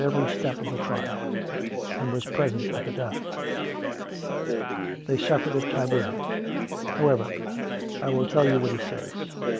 COME ROPE! every step of the trial ; and was present at the death. They suffered at Tyburn. ... However^ I will tell you what he says.